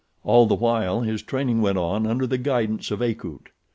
All the while his training went on under the guidance of Akut.